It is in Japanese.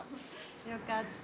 よかった。